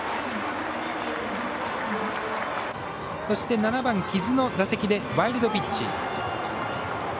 そして、７番、木津の打席でワイルドピッチ。